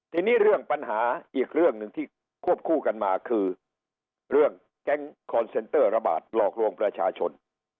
ทีนี้เรื่องปัญหาอีกเรื่องหนึ่งที่ควบคู่กันมาคือเรื่องแก๊งคอนเซนเตอร์ระบาดหลอกลวงประชาชน